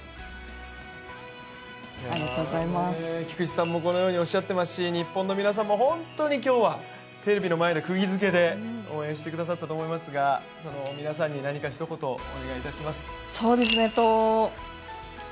菊池さんもこのようにおっしゃっていますし日本の皆さんも本当に今日はテレビの前にくぎづけで応援してくださったと思いますが皆さんに何か、一言、お願いします。